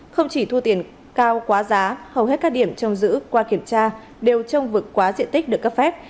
không chỉ thu tiền cao quá giá hầu hết các điểm trong giữ qua kiểm tra đều trong vực quá diện tích được cấp phép